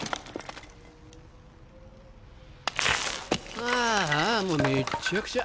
ああもうめっちゃくちゃ。